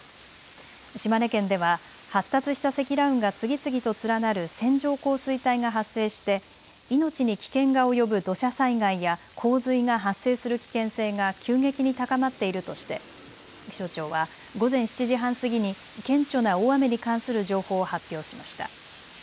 島根県では発達した積乱雲が次々と連なる線状降水帯が発生して命に危険が及ぶ土砂災害や洪水が発生する危険性が急激に高まっているとして気象庁は午前７時半過ぎに顕著な大雨に関する情報を発表しました。